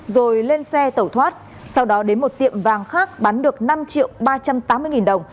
rồi lên xe tẩu thoát sau đó đến một tiệm vàng khác bán được năm triệu ba trăm tám mươi nghìn đồng